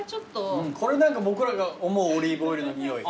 これ何か僕らが思うオリーブオイルの匂い。